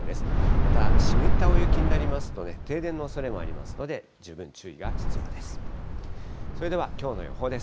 また湿った大雪になりますとね、停電のおそれもありますので、十分注意が必要です。